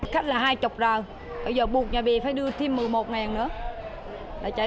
khách là hai mươi rào bây giờ buộc nhà bè phải đưa thêm một mươi một nữa